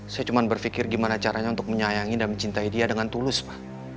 saya cuma berpikir gimana caranya untuk menyayangi dan mencintai dia dengan tulus pak